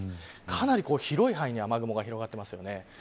かなり広い範囲に雨雲が広がっていますよね。